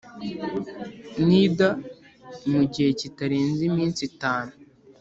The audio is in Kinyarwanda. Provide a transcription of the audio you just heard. Nida mu gihe kitarenze iminsi itanu